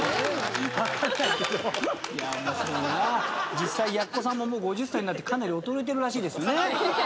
実際奴さんももう５０歳になってかなり衰えてるらしいですね。